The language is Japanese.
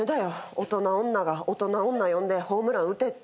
大人女が大人女呼んでホームラン打てって。